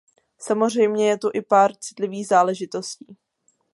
Samozřejmě, je tu i pár citlivých záležitostí.